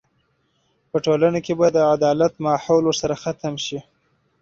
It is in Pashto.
په ټولنه کې به د عدالت ماحول ورسره ختم شي.